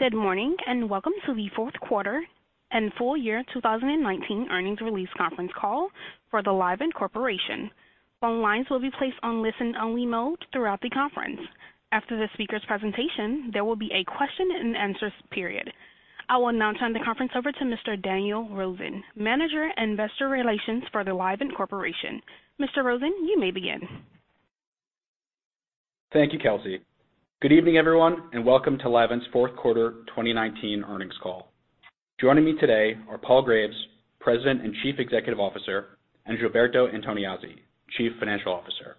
Good morning, welcome to the fourth quarter and full year 2019 earnings release conference call for the Livent Corporation. Phone lines will be placed on listen-only mode throughout the conference. After the speaker's presentation, there will be a question and answer period. I will now turn the conference over to Mr. Daniel Rosen, Manager of Investor Relations for the Livent Corporation. Mr. Rosen, you may begin. Thank you, Kelsey. Good evening, everyone, and welcome to Livent's fourth quarter 2019 earnings call. Joining me today are Paul Graves, President and Chief Executive Officer, and Gilberto Antoniazzi, Chief Financial Officer.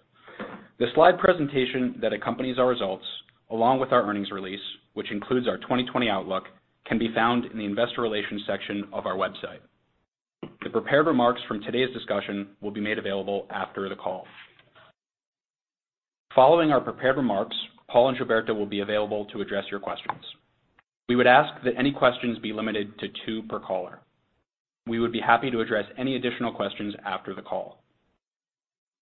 The slide presentation that accompanies our results, along with our earnings release, which includes our 2020 outlook, can be found in the investor relations section of our website. The prepared remarks from today's discussion will be made available after the call. Following our prepared remarks, Paul and Gilberto will be available to address your questions. We would ask that any questions be limited to two per caller. We would be happy to address any additional questions after the call.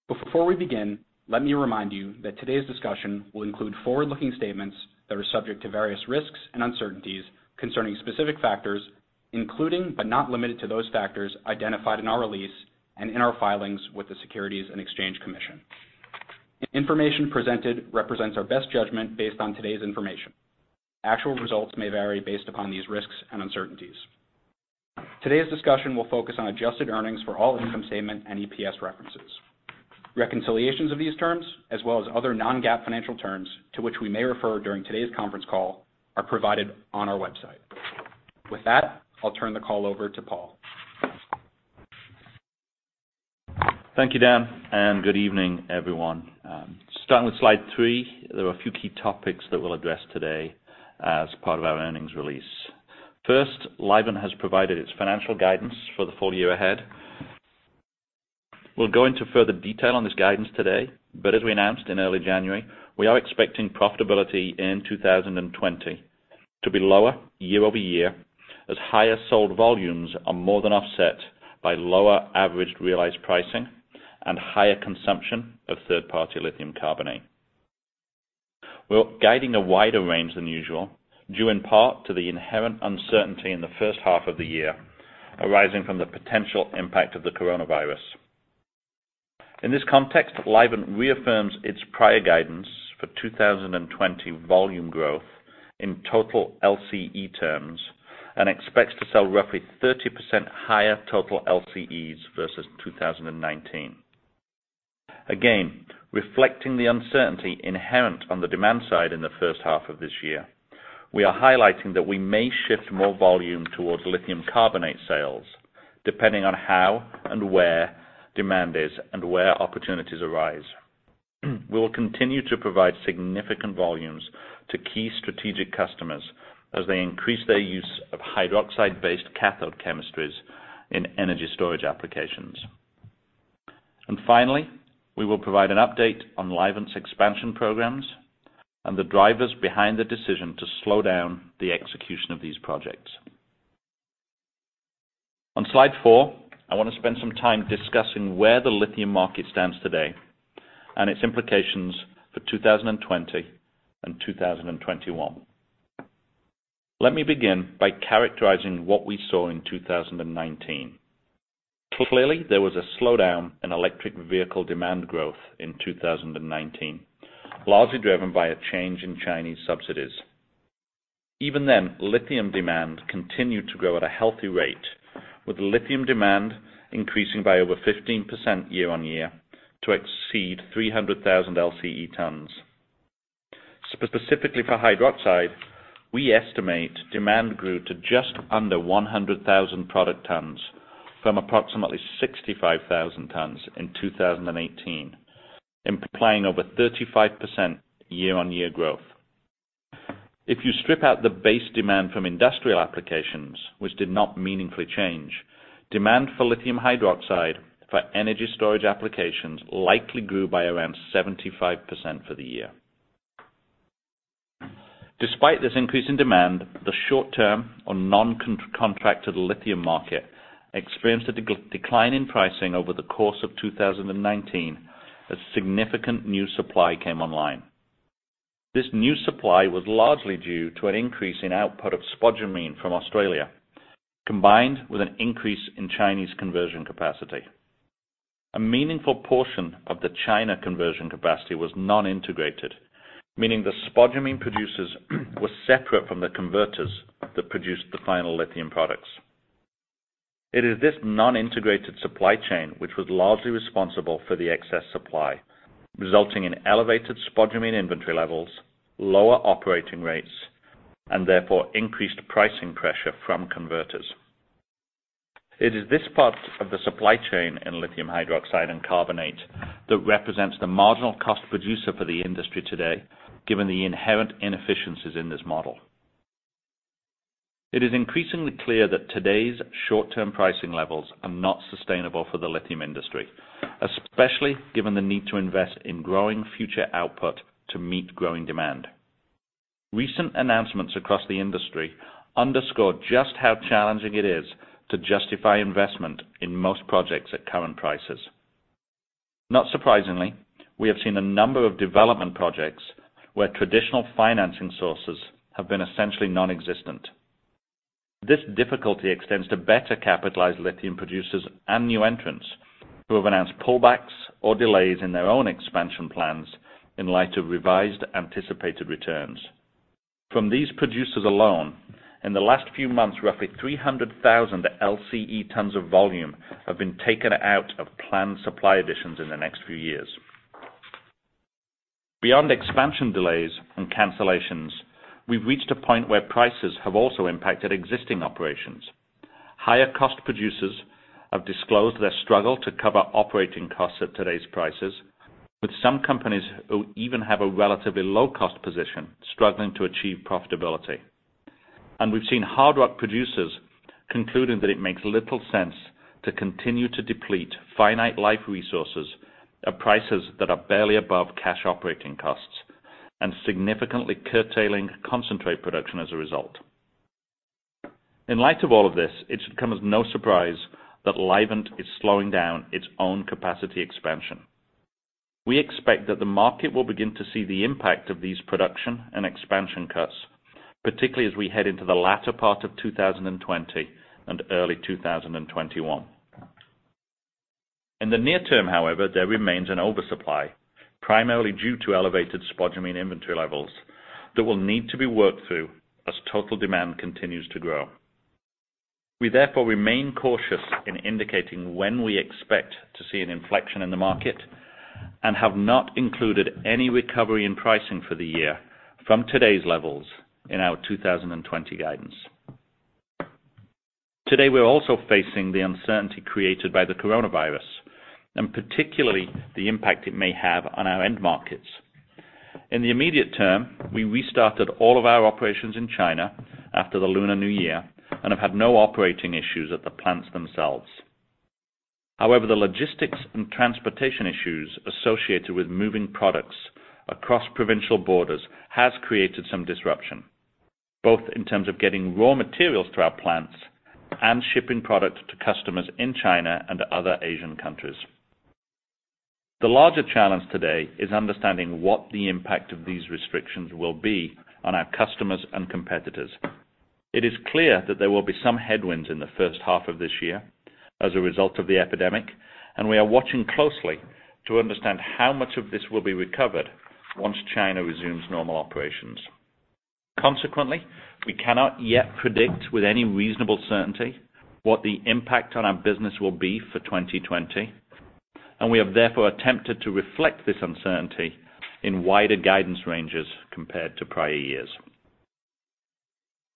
Before we begin, let me remind you that today's discussion will include forward-looking statements that are subject to various risks and uncertainties concerning specific factors, including, but not limited to those factors identified in our release and in our filings with the Securities and Exchange Commission. Information presented represents our best judgment based on today's information. Actual results may vary based upon these risks and uncertainties. Today's discussion will focus on adjusted earnings for all income statement and EPS references. Reconciliations of these terms, as well as other non-GAAP financial terms to which we may refer during today's conference call, are provided on our website. With that, I'll turn the call over to Paul. Thank you, Dan. Good evening, everyone. Starting with slide three, there are a few key topics that we'll address today as part of our earnings release. First, Livent has provided its financial guidance for the full year ahead. We'll go into further detail on this guidance today. As we announced in early January, we are expecting profitability in 2020 to be lower year-over-year as higher sold volumes are more than offset by lower averaged realized pricing and higher consumption of third-party lithium carbonate. We're guiding a wider range than usual, due in part to the inherent uncertainty in the first half of the year arising from the potential impact of the coronavirus. In this context, Livent reaffirms its prior guidance for 2020 volume growth in total LCE terms and expects to sell roughly 30% higher total LCEs versus 2019. Again, reflecting the uncertainty inherent on the demand side in the first half of this year, we are highlighting that we may shift more volume towards lithium carbonate sales, depending on how and where demand is and where opportunities arise. We will continue to provide significant volumes to keys strategic customers as they increase their use of hydroxide-based cathode chemistries in energy storage applications. Finally, we will provide an update on Livent's expansion programs and the drivers behind the decision to slow down the execution of these projects. On slide four, I want to spend some time discussing where the lithium market stands today and its implications for 2020 and 2021. Let me begin by characterizing what we saw in 2019. Clearly, there was a slowdown in electric vehicle demand growth in 2019, largely driven by a change in Chinese subsidies. Even then, lithium demand continued to grow at a healthy rate, with lithium demand increasing by over 15% year-on-year to exceed 300,000 LCE tons. Specifically for hydroxide, we estimate demand grew to just under 100,000 product tons from approximately 65,000 tons in 2018, implying over 35% year-on-year growth. If you strip out the base demand from industrial applications, which did not meaningfully change, demand for lithium hydroxide for energy storage applications likely grew by around 75% for the year. Despite this increase in demand, the short term or non-contracted lithium market experienced a decline in pricing over the course of 2019 as significant new supply came online. This new supply was largely due to an increase in output of spodumene from Australia, combined with an increase in Chinese conversion capacity. A meaningful portion of the China conversion capacity was non-integrated, meaning the spodumene producers were separate from the converters that produced the final lithium products. It is this non-integrated supply chain which was largely responsible for the excess supply, resulting in elevated spodumene inventory levels, lower operating rates, and therefore increased pricing pressure from converters. It is this part of the supply chain in lithium hydroxide and carbonate that represents the marginal cost producer for the industry today, given the inherent inefficiencies in this model. It is increasingly clear that today's short-term pricing levels are not sustainable for the lithium industry, especially given the need to invest in growing future output to meet growing demand. Recent announcements across the industry underscore just how challenging it is to justify investment in most projects at current prices. Not surprisingly, we have seen a number of development projects where traditional financing sources have been essentially nonexistent. This difficulty extends to better capitalized lithium producers and new entrants who have announced pullbacks or delays in their own expansion plans in light of revised anticipated returns. From these producers alone, in the last few months, roughly 300,000 LCE tons of volume have been taken out of planned supply additions in the next few years. Beyond expansion delays and cancellations, we've reached a point where prices have also impacted existing operations. Higher cost producers have disclosed their struggle to cover operating costs at today's prices, with some companies who even have a relatively low-cost position struggling to achieve profitability. We've seen hard rock producers concluding that it makes little sense to continue to deplete finite life resources at prices that are barely above cash operating costs, and significantly curtailing concentrate production as a result. In light of all of this, it should come as no surprise that Livent is slowing down its own capacity expansion. We expect that the market will begin to see the impact of these production and expansion cuts, particularly as we head into the latter part of 2020 and early 2021. In the near term, however, there remains an oversupply, primarily due to elevated spodumene inventory levels that will need to be worked through as total demand continues to grow. We therefore remain cautious in indicating when we expect to see an inflection in the market and have not included any recovery in pricing for the year from today's levels in our 2020 guidance. Today, we're also facing the uncertainty created by the coronavirus, and particularly the impact it may have on our end markets. In the immediate term, we restarted all of our operations in China after the Lunar New Year and have had no operating issues at the plants themselves. However, the logistics and transportation issues associated with moving products across provincial borders has created some disruption, both in terms of getting raw materials to our plants and shipping product to customers in China and to other Asian countries. The larger challenge today is understanding what the impact of these restrictions will be on our customers and competitors. It is clear that there will be some headwinds in the first half of this year as a result of the epidemic, and we are watching closely to understand how much of this will be recovered once China resumes normal operations. Consequently, we cannot yet predict with any reasonable certainty what the impact on our business will be for 2020, and we have therefore attempted to reflect this uncertainty in wider guidance ranges compared to prior years.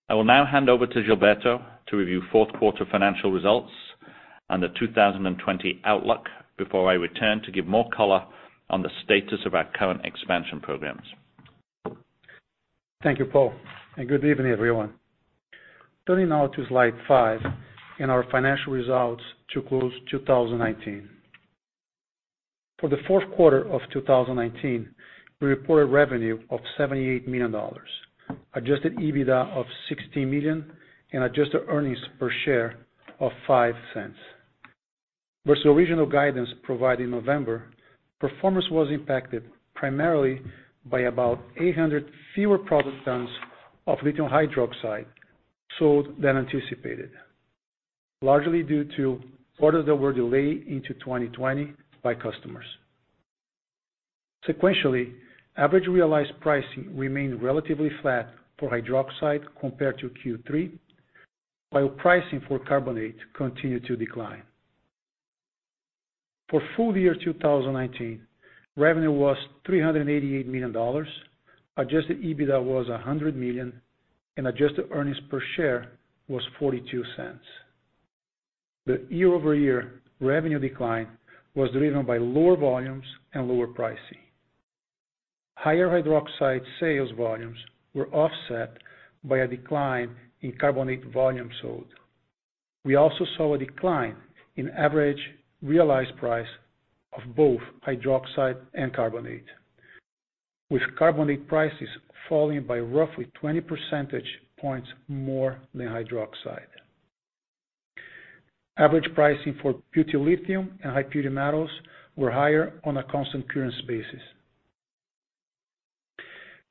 I will now hand over to Gilberto to review fourth quarter financial results and the 2020 outlook before I return to give more color on the status of our current expansion programs. Thank you, Paul. Good evening, everyone. Turning now to slide five in our financial results to close 2019. For the fourth quarter of 2019, we reported revenue of $78 million, adjusted EBITDA of $16 million and adjusted earnings per share of $0.05. Versus original guidance provided in November, performance was impacted primarily by about 800 fewer product tons of lithium hydroxide sold than anticipated, largely due to orders that were delayed into 2020 by customers. Sequentially, average realized pricing remained relatively flat for hydroxide compared to Q3, while pricing for carbonate continued to decline. For full year 2019, revenue was $388 million, adjusted EBITDA was $100 million, and adjusted earnings per share was $0.42. The year-over-year revenue decline was driven by lower volumes and lower pricing. Higher hydroxide sales volumes were offset by a decline in carbonate volume sold. We also saw a decline in average realized price of both hydroxide and carbonate, with carbonate prices falling by roughly 20 percentage points more than hydroxide. Average pricing for butyllithium and high purity metals were higher on a constant currency basis.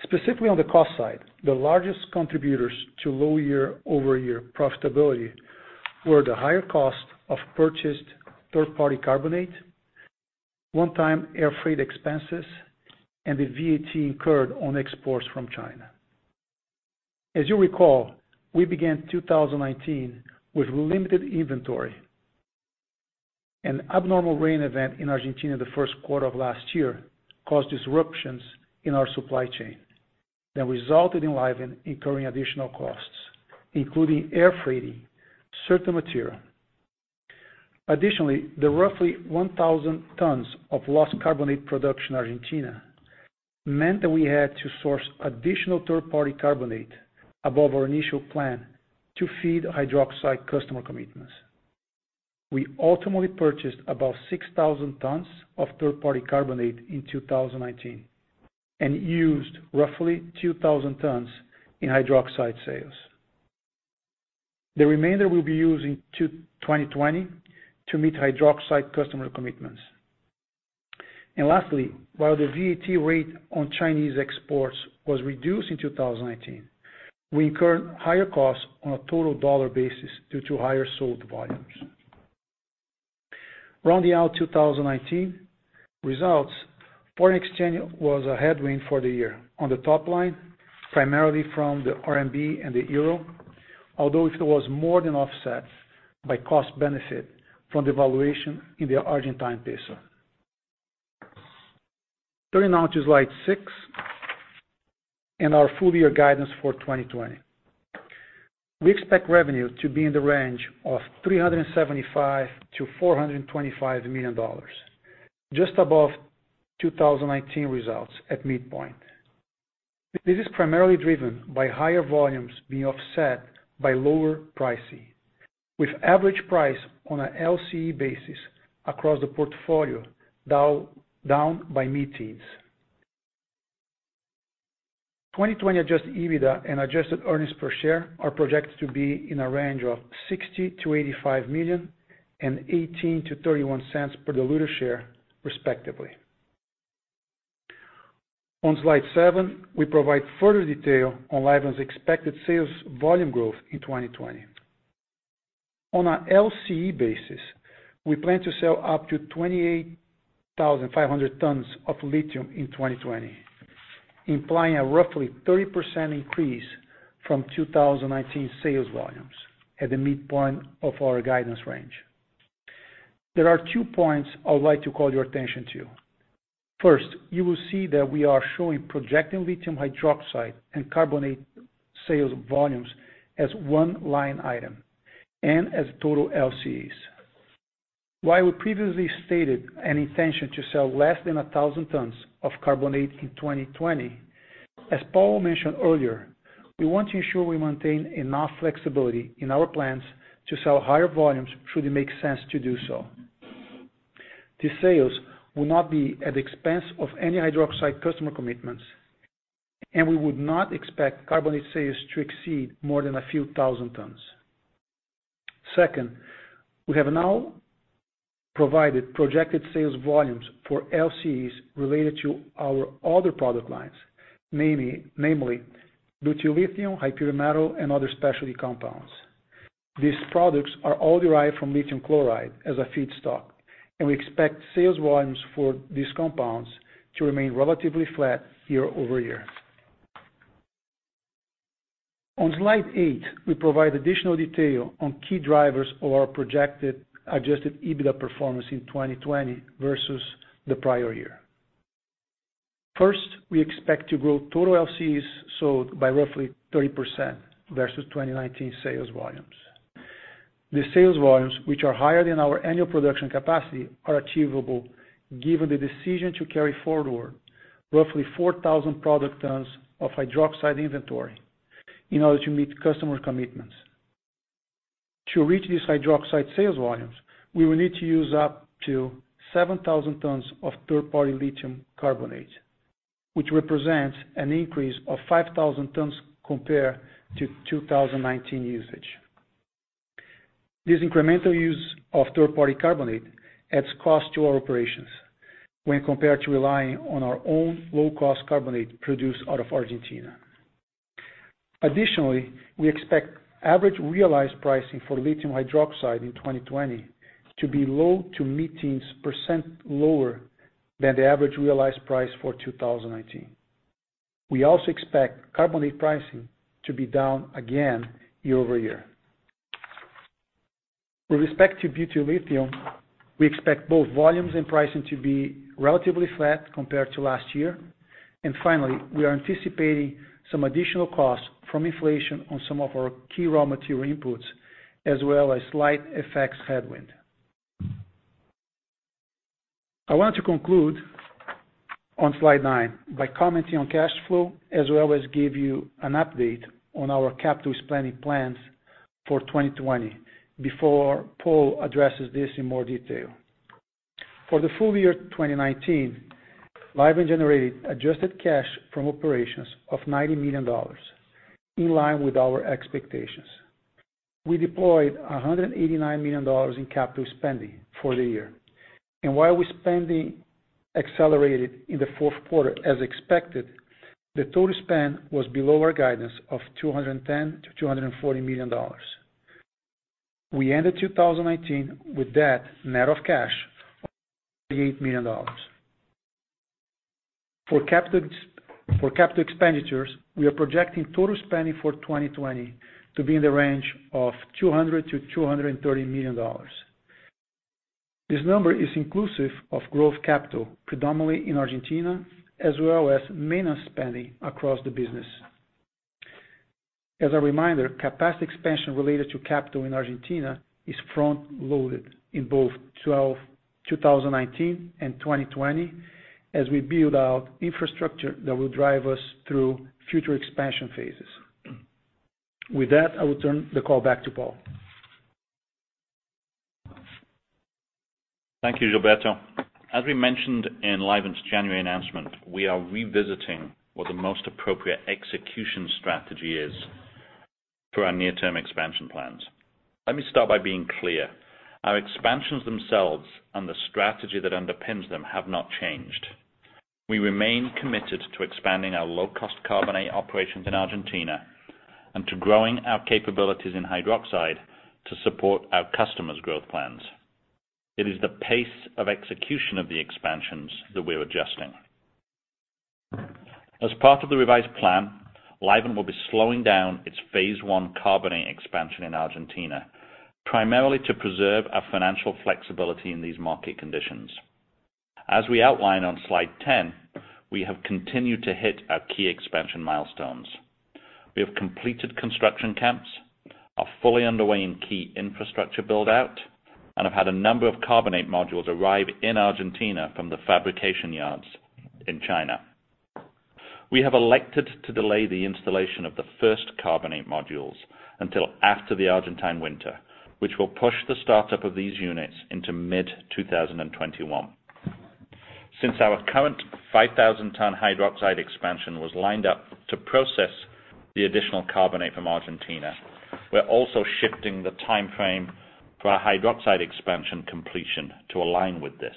Specifically on the cost side, the largest contributors to low year-over-year profitability were the higher cost of purchased third-party carbonate, one-time airfreight expenses, and the VAT incurred on exports from China. As you recall, we began 2019 with limited inventory. An abnormal rain event in Argentina the first quarter of last year caused disruptions in our supply chain that resulted in Livent incurring additional costs, including air freighting certain material. Additionally, the roughly 1,000 tons of lost carbonate production in Argentina meant that we had to source additional third-party carbonate above our initial plan to feed hydroxide customer commitments. We ultimately purchased about 6,000 tons of third-party lithium carbonate in 2019 and used roughly 2,000 tons in hydroxide sales. The remainder will be used in 2020 to meet hydroxide customer commitments. Lastly, while the VAT rate on Chinese exports was reduced in 2019, we incurred higher costs on a total dollar basis due to higher sold volumes. Rounding out 2019 results, foreign exchange was a headwind for the year on the top line, primarily from the RMB and the euro, although it was more than offset by cost benefit from devaluation in the Argentine peso. Turning now to slide six, and our full year guidance for 2020. We expect revenue to be in the range of $375 million-$425 million, just above 2019 results at midpoint. This is primarily driven by higher volumes being offset by lower pricing, with average price on an LCE basis across the portfolio down by mid-teens. 2020 adjusted EBITDA and adjusted earnings per share are projected to be in a range of $60 million-$85 million and $0.18-$0.31 per diluted share, respectively. On slide seven, we provide further detail on Livent's expected sales volume growth in 2020. On an LCE basis, we plan to sell up to 28,500 tons of lithium in 2020, implying a roughly 30% increase from 2019 sales volumes at the midpoint of our guidance range. There are two points I would like to call your attention to. First, you will see that we are showing projected lithium hydroxide and lithium carbonate sales volumes as one line item and as total LCEs. While we previously stated an intention to sell less than 1,000 tons of carbonate in 2020, as Paul mentioned earlier, we want to ensure we maintain enough flexibility in our plans to sell higher volumes should it make sense to do so. These sales will not be at the expense of any hydroxide customer commitments, and we would not expect carbonate sales to exceed more than a few thousand tons. Second, we have now provided projected sales volumes for LCEs related to our other product lines, namely butyllithium, high-pure metal, and other specialty compounds. These products are all derived from lithium chloride as a feedstock, we expect sales volumes for these compounds to remain relatively flat year-over-year. On slide eight, we provide additional detail on key drivers of our projected adjusted EBITDA performance in 2020 versus the prior year. We expect to grow total LCEs sold by roughly 30% versus 2019 sales volumes. The sales volumes, which are higher than our annual production capacity, are achievable given the decision to carry forward roughly 4,000 product tons of hydroxide inventory in order to meet customer commitments. To reach these hydroxide sales volumes, we will need to use up to 7,000 tons of third-party lithium carbonate, which represents an increase of 5,000 tons compared to 2019 usage. This incremental use of third-party carbonate adds cost to our operations when compared to relying on our own low-cost carbonate produced out of Argentina. We expect average realized pricing for lithium hydroxide in 2020 to be low to mid-teens percent lower than the average realized price for 2019. We also expect carbonate pricing to be down again year-over-year. With respect to butyllithium, we expect both volumes and pricing to be relatively flat compared to last year. Finally, we are anticipating some additional costs from inflation on some of our key raw material inputs, as well as slight FX headwind. I want to conclude on slide nine by commenting on cash flow, as well as give you an update on our capital spending plans for 2020 before Paul addresses this in more detail. For the full year 2019, Livent generated adjusted cash from operations of $90 million, in line with our expectations. We deployed $189 million in capital spending for the year. While we're spending accelerated in the fourth quarter as expected, the total spend was below our guidance of $210 million-$240 million. We ended 2019 with debt net of cash of $38 million. For capital expenditures, we are projecting total spending for 2020 to be in the range of $200 million-$230 million. This number is inclusive of growth capital, predominantly in Argentina, as well as maintenance spending across the business. As a reminder, capacity expansion related to capital in Argentina is front-loaded in both 2019 and 2020 as we build out infrastructure that will drive us through future expansion phases. With that, I will turn the call back to Paul Thank you, Gilberto. As we mentioned in Livent's January announcement, we are revisiting what the most appropriate execution strategy is for our near-term expansion plans. Let me start by being clear. Our expansions themselves and the strategy that underpins them have not changed. We remain committed to expanding our low-cost carbonate operations in Argentina and to growing our capabilities in hydroxide to support our customers' growth plans. It is the pace of execution of the expansions that we're adjusting. As part of the revised plan, Livent will be slowing down its phase I carbonate expansion in Argentina, primarily to preserve our financial flexibility in these market conditions. As we outline on slide 10, we have continued to hit our key expansion milestones. We have completed construction camps, are fully underway in key infrastructure build-out, and have had a number of carbonate modules arrive in Argentina from the fabrication yards in China. We have elected to delay the installation of the first carbonate modules until after the Argentine winter, which will push the startup of these units into mid 2021. Since our current 5,000-ton hydroxide expansion was lined up to process the additional carbonate from Argentina, we're also shifting the timeframe for our hydroxide expansion completion to align with this.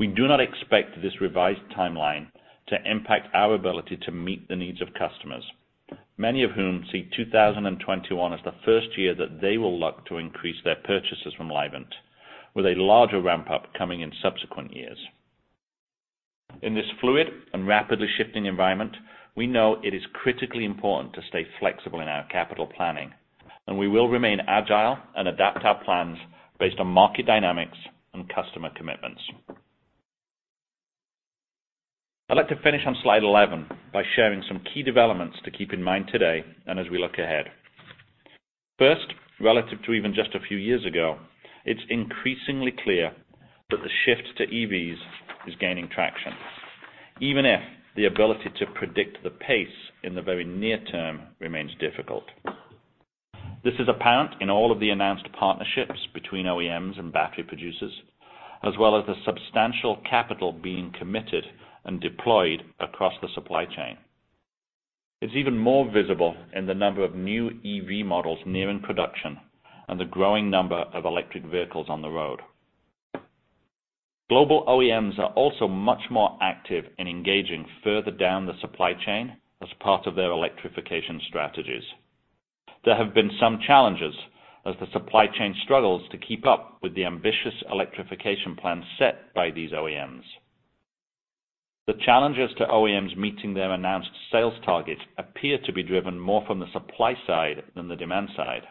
We do not expect this revised timeline to impact our ability to meet the needs of customers, many of whom see 2021 as the first year that they will look to increase their purchases from Livent, with a larger ramp-up coming in subsequent years. In this fluid and rapidly shifting environment, we know it is critically important to stay flexible in our capital planning, and we will remain agile and adapt our plans based on market dynamics and customer commitments. I'd like to finish on slide 11 by sharing some key developments to keep in mind today, and as we look ahead. First, relative to even just a few years ago, it's increasingly clear that the shift to EVs is gaining traction, even if the ability to predict the pace in the very near term remains difficult. This is apparent in all of the announced partnerships between OEMs and battery producers, as well as the substantial capital being committed and deployed across the supply chain. It's even more visible in the number of new EV models nearing production and the growing number of electric vehicles on the road. Global OEMs are also much more active in engaging further down the supply chain as part of their electrification strategies. There have been some challenges as the supply chain struggles to keep up with the ambitious electrification plans set by these OEMs. The challenges to OEMs meeting their announced sales targets appear to be driven more from the supply side than the demand side.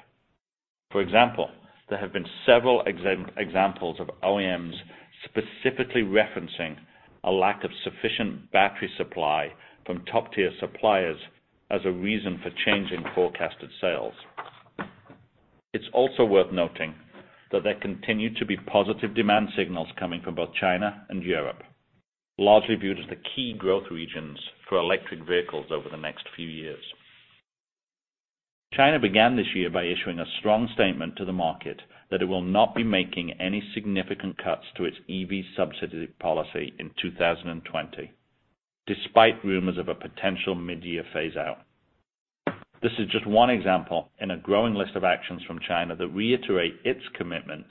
For example, there have been several examples of OEMs specifically referencing a lack of sufficient battery supply from top-tier suppliers as a reason for changing forecasted sales. It's also worth noting that there continue to be positive demand signals coming from both China and Europe, largely viewed as the key growth regions for electric vehicles over the next few years. China began this year by issuing a strong statement to the market that it will not be making any significant cuts to its EV subsidy policy in 2020, despite rumors of a potential mid-year phase-out. This is just one example in a growing list of actions from China that reiterate its commitment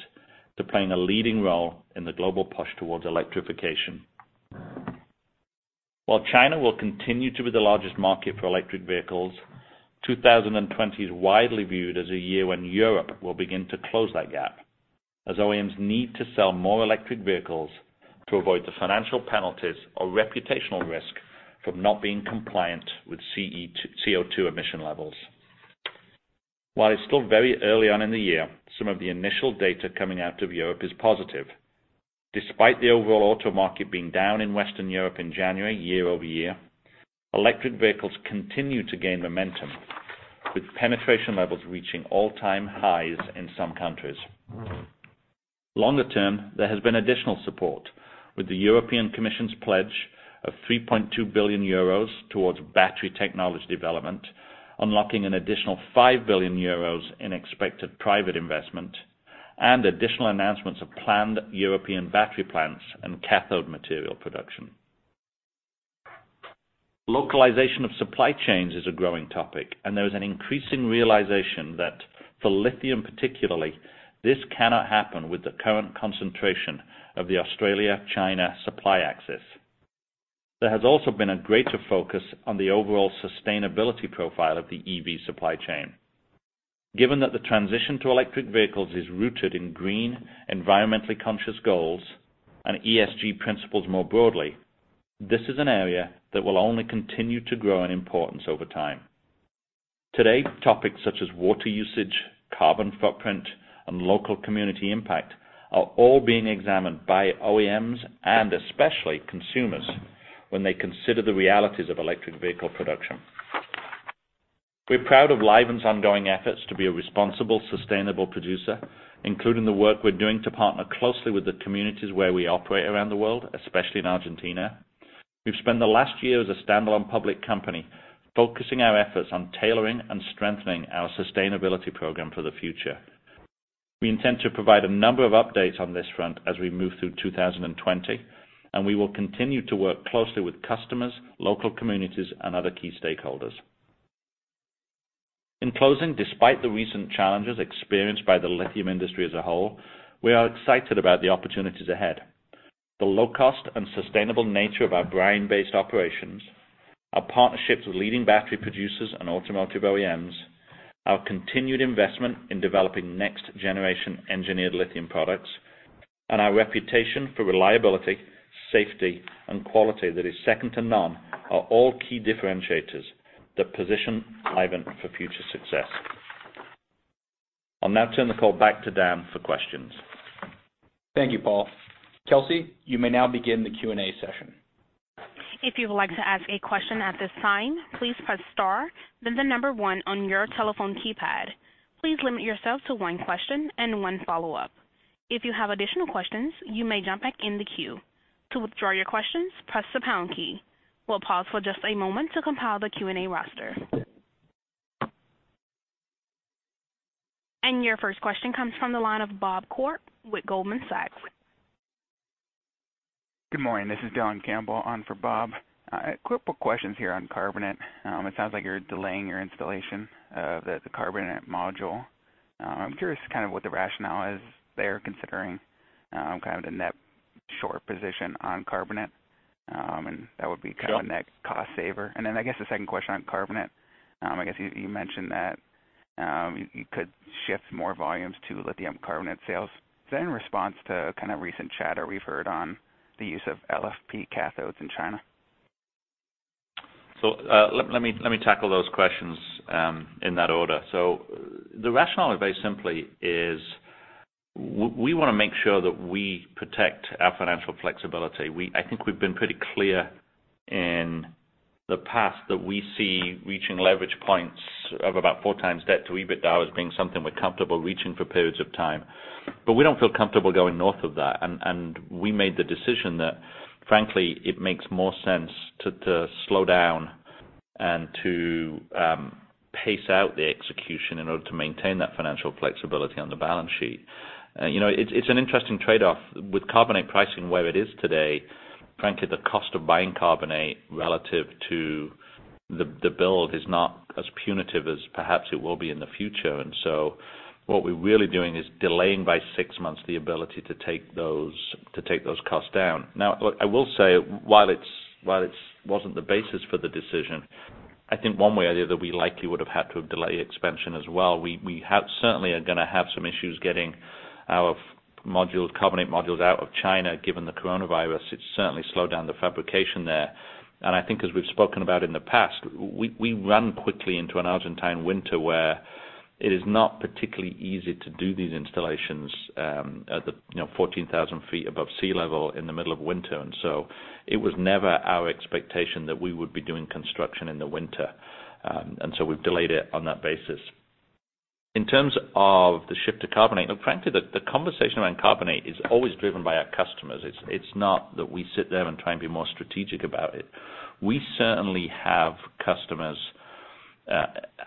to playing a leading role in the global push towards electrification. While China will continue to be the largest market for electric vehicles, 2020 is widely viewed as a year when Europe will begin to close that gap, as OEMs need to sell more electric vehicles to avoid the financial penalties or reputational risk from not being compliant with CO2 emission levels. While it's still very early on in the year, some of the initial data coming out of Europe is positive. Despite the overall auto market being down in Western Europe in January year-over-year, electric vehicles continue to gain momentum, with penetration levels reaching all-time highs in some countries. Longer term, there has been additional support with the European Commission's pledge of 3.2 billion euros towards battery technology development, unlocking an additional 5 billion euros in expected private investment and additional announcements of planned European battery plants and cathode material production. Localization of supply chains is a growing topic, and there is an increasing realization that for lithium particularly, this cannot happen with the current concentration of the Australia-China supply axis. There has also been a greater focus on the overall sustainability profile of the EV supply chain. Given that the transition to electric vehicles is rooted in green, environmentally conscious goals and ESG principles more broadly, this is an area that will only continue to grow in importance over time. Today, topics such as water usage, carbon footprint, and local community impact are all being examined by OEMs and especially consumers when they consider the realities of electric vehicle production. We're proud of Livent's ongoing efforts to be a responsible, sustainable producer, including the work we're doing to partner closely with the communities where we operate around the world, especially in Argentina. We've spent the last year as a standalone public company, focusing our efforts on tailoring and strengthening our sustainability program for the future. We intend to provide a number of updates on this front as we move through 2020, and we will continue to work closely with customers, local communities, and other key stakeholders. In closing, despite the recent challenges experienced by the lithium industry as a whole, we are excited about the opportunities ahead. The low cost and sustainable nature of our brine-based operations, our partnerships with leading battery producers and automotive OEMs, our continued investment in developing next generation engineered lithium products, and our reputation for reliability, safety, and quality that is second to none, are all key differentiators that position Livent for future success. I'll now turn the call back to Dan for questions. Thank you, Paul. Kelsey, you may now begin the Q&A session. If you would like to ask a question at this time, please press star, then the number one on your telephone keypad. Please limit yourself to one question and one follow-up. If you have additional questions, you may jump back in the queue. To withdraw your questions, press the pound key. We'll pause for just a moment to compile the Q&A roster. Your first question comes from the line of Bob Koort with Goldman Sachs. Good morning. This is Dylan Campbell on for Bob. A quick questions here on carbonate. It sounds like you're delaying your installation of the carbonate module. I'm curious what the rationale is there, considering the net short position on carbonate? That would be a net cost saver. I guess the second question on carbonate, I guess you mentioned that you could shift more volumes to lithium carbonate sales. Is that in response to recent chatter we've heard on the use of LFP cathodes in China? Let me tackle those questions in that order. The rationale very simply is we want to make sure that we protect our financial flexibility. I think we've been pretty clear in the past that we see reaching leverage points of about four times debt to EBITDA as being something we're comfortable reaching for periods of time. We don't feel comfortable going north of that. We made the decision that frankly, it makes more sense to slow down and to pace out the execution in order to maintain that financial flexibility on the balance sheet. It's an interesting trade-off with carbonate pricing where it is today. Frankly, the cost of buying carbonate relative to the build is not as punitive as perhaps it will be in the future. What we're really doing is delaying by six months the ability to take those costs down. I will say, while it wasn't the basis for the decision, I think one way or the other, that we likely would have had to have delayed expansion as well. We certainly are going to have some issues getting our carbonate modules out of China, given the coronavirus. It's certainly slowed down the fabrication there. I think as we've spoken about in the past, we run quickly into an Argentine winter where it is not particularly easy to do these installations at the 14,000 feet above sea level in the middle of winter. It was never our expectation that we would be doing construction in the winter. We've delayed it on that basis. In terms of the shift to carbonate, frankly, the conversation around carbonate is always driven by our customers. It's not that we sit there and try and be more strategic about it. We certainly have customers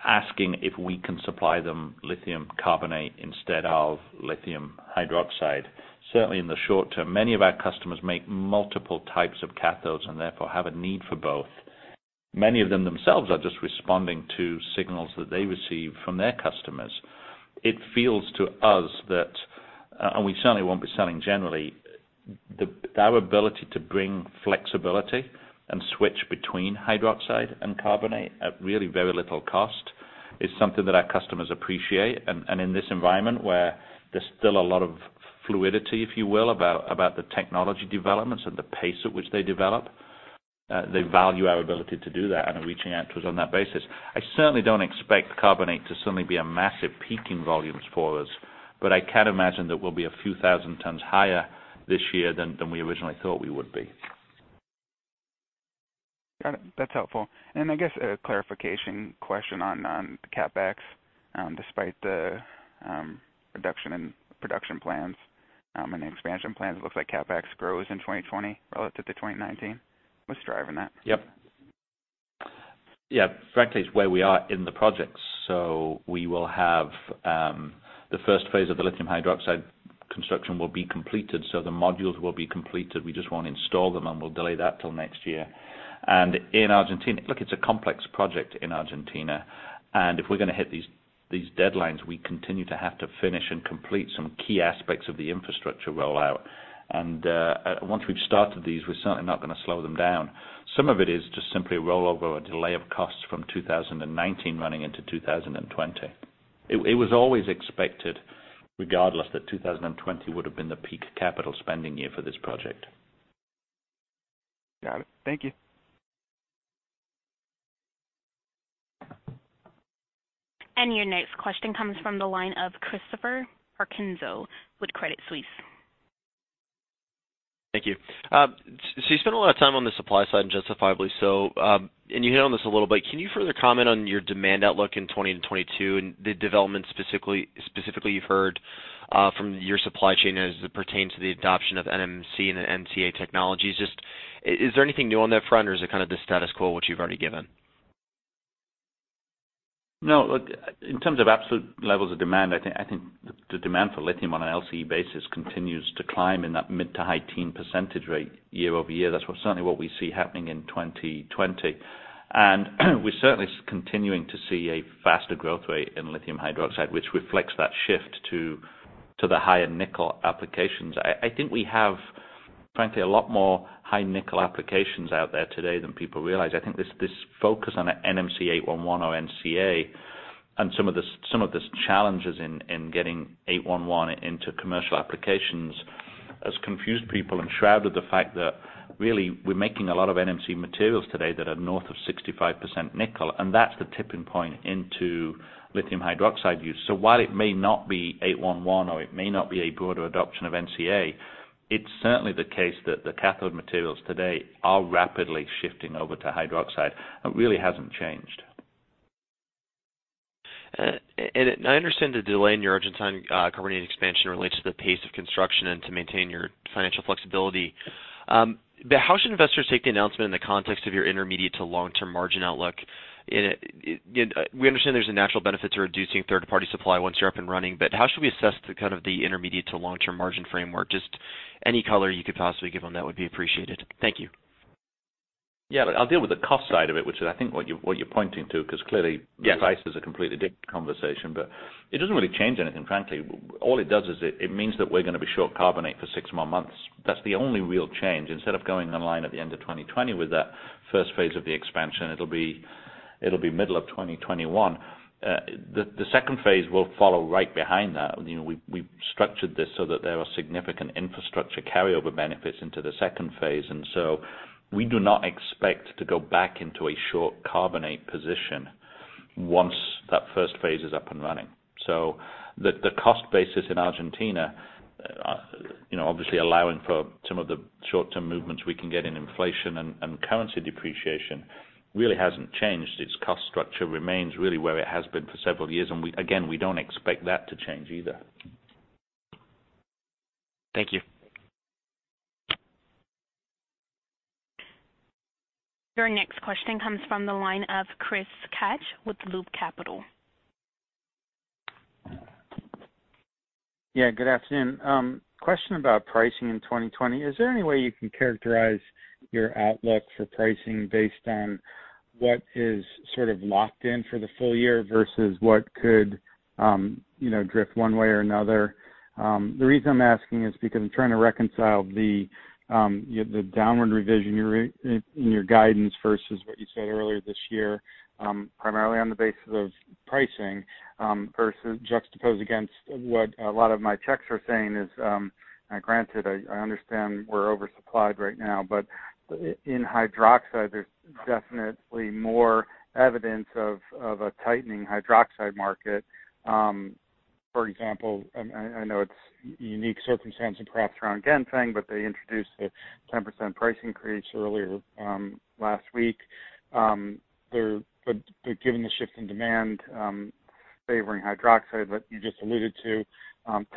asking if we can supply them lithium carbonate instead of lithium hydroxide. Certainly in the short term, many of our customers make multiple types of cathodes and therefore have a need for both. Many of them themselves are just responding to signals that they receive from their customers. It feels to us that, and we certainly won't be selling generally, our ability to bring flexibility and switch between hydroxide and carbonate at really very little cost is something that our customers appreciate. In this environment where there's still a lot of fluidity, if you will, about the technology developments and the pace at which they develop, they value our ability to do that and are reaching out to us on that basis. I certainly don't expect carbonate to suddenly be a massive peak in volumes for us, but I can imagine that we'll be a few thousand tons higher this year than we originally thought we would be. Got it. That's helpful. I guess a clarification question on CapEx. Despite the reduction in production plans and the expansion plans, it looks like CapEx grows in 2020 relative to 2019. What's driving that? Yep. Frankly, it's where we are in the projects. We will have the first phase of the lithium hydroxide construction will be completed, so the modules will be completed. We just won't install them, and we'll delay that till next year. In Argentina, look, it's a complex project in Argentina, and if we're going to hit these deadlines, we continue to have to finish and complete some key aspects of the infrastructure rollout. Once we've started these, we're certainly not going to slow them down. Some of it is just simply rollover or delay of costs from 2019 running into 2020. It was always expected regardless that 2020 would have been the peak capital spending year for this project. Got it. Thank you. Your next question comes from the line of Christopher Parkinson with Credit Suisse. Thank you. You spent a lot of time on the supply side, and justifiably so. You hit on this a little bit. Can you further comment on your demand outlook in 2020 and 2022 and the developments specifically you've heard from your supply chain as it pertains to the adoption of NMC and NCA technologies, just is there anything new on that front or is it kind of the status quo, which you've already given? No, look, in terms of absolute levels of demand, I think the demand for lithium on an LCE basis continues to climb in that mid to high teen percentage rate year-over-year. That's certainly what we see happening in 2020. We're certainly continuing to see a faster growth rate in lithium hydroxide, which reflects that shift to the higher nickel applications. I think we have, frankly, a lot more high nickel applications out there today than people realize. I think this focus on an NMC 811 or NCA and some of the challenges in getting 811 into commercial applications has confused people and shrouded the fact that really we're making a lot of NMC materials today that are north of 65% nickel, and that's the tipping point into lithium hydroxide use. While it may not be 811 or it may not be a broader adoption of NCA, it's certainly the case that the cathode materials today are rapidly shifting over to hydroxide. That really hasn't changed. I understand the delay in your Argentine carbonate expansion relates to the pace of construction and to maintain your financial flexibility. How should investors take the announcement in the context of your intermediate to long-term margin outlook? We understand there's a natural benefit to reducing third-party supply once you're up and running, but how should we assess the kind of the intermediate to long-term margin framework? Just any color you could possibly give on that would be appreciated. Thank you. Yeah. I'll deal with the cost side of it, which is, I think what you're pointing to, because clearly-. Yes. Price is a completely different conversation, but it doesn't really change anything, frankly. All it does is it means that we're going to be short carbonate for six more months. That's the only real change. Instead of going online at the end of 2020 with that first phase of the expansion, it'll be middle of 2021. The second phase will follow right behind that. We've structured this so that there are significant infrastructure carryover benefits into the second phase, and so we do not expect to go back into a short carbonate position once that first phase is up and running. The cost basis in Argentina, obviously allowing for some of the short-term movements we can get in inflation and currency depreciation, really hasn't changed. Its cost structure remains really where it has been for several years, and again, we don't expect that to change either. Thank you. Your next question comes from the line of Chris Kapsch with Loop Capital. Yeah, good afternoon. Question about pricing in 2020. Is there any way you can characterize your outlook for pricing based on what is sort of locked in for the full year versus what could drift one way or another? The reason I'm asking is because I'm trying to reconcile the downward revision in your guidance versus what you said earlier this year, primarily on the basis of pricing, versus juxtaposed against what a lot of my checks are saying is, granted, I understand we're oversupplied right now, but in hydroxide, there's definitely more evidence of a tightening hydroxide market. For example, I know it's unique circumstance and perhaps around Ganfeng, but they introduced a 10% price increase earlier last week. Given the shift in demand favoring hydroxide that you just alluded to,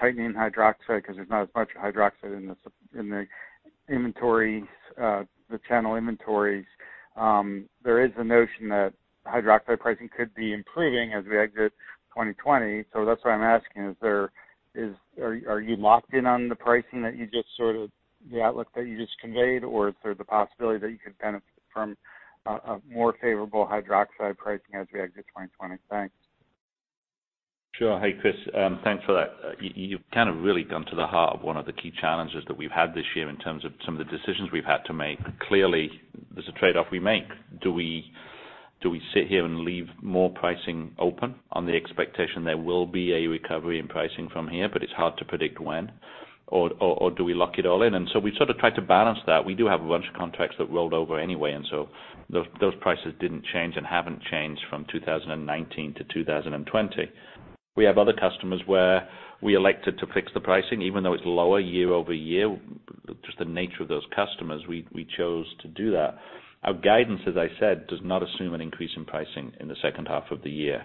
tightening hydroxide because there's not as much hydroxide in the channel inventories. There is a notion that hydroxide pricing could be improving as we exit 2020. That's why I'm asking, are you locked in on the pricing that you just sort of, the outlook that you just conveyed, or is there the possibility that you could benefit from a more favorable hydroxide pricing as we exit 2020? Thanks. Sure. Hey, Chris. Thanks for that. You've kind of really gone to the heart of one of the key challenges that we've had this year in terms of some of the decisions we've had to make. Clearly, there's a trade-off we make. Do we sit here and leave more pricing open on the expectation there will be a recovery in pricing from here, but it's hard to predict when? Do we lock it all in? We sort of try to balance that. We do have a bunch of contracts that rolled over anyway, and so those prices didn't change and haven't changed from 2019 to 2020. We have other customers where we elected to fix the pricing, even though it's lower year-over-year, just the nature of those customers, we chose to do that. Our guidance, as I said, does not assume an increase in pricing in the second half of the year.